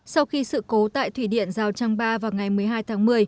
sau khi sự cố tại thủy điện rào trăng ba vào ngày một mươi hai tháng một mươi